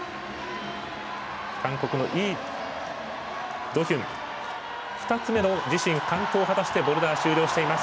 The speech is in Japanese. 韓国のイ・ドヒュン２つ目の自身完登を果たしてボルダーを終了しています。